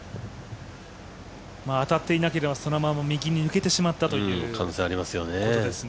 当たっていなければそのまま右に抜けてしまったということですね。